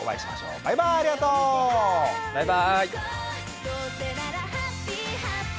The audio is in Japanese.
バイバーイ！